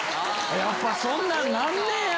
やっぱそんなんなんねや。